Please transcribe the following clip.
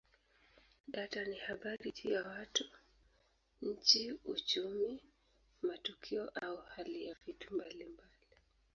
Data ni habari juu ya watu, nchi, uchumi, matukio au hali ya vitu mbalimbali.